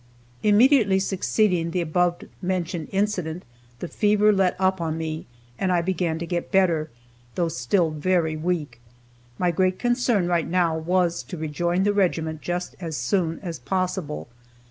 Immediately succeeding the above mentioned incident, the fever let up on me, and I began to get better, though still very weak. My great concern, right now, was to rejoin the regiment just as soon as possible.